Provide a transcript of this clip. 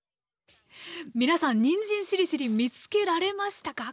皆さんにんじんしりしりー見つけられましたか？